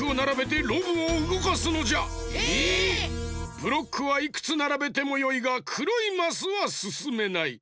ブロックはいくつならべてもよいがくろいマスはすすめない。